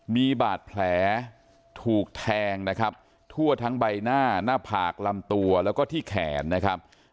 มีบาดแผลถูกแทงนะครับทั่วทั้งใบหน้าหน้าผากลำตัวแล้วก็ที่แขนนะครับ